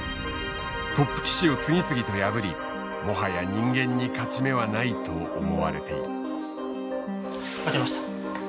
トップ棋士を次々と破りもはや人間に勝ち目はないと思われている。